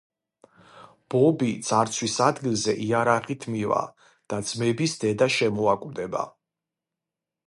ბობი ძარცვის ადგილზე იარაღით მივა და ძმების დედა შემოაკვდება.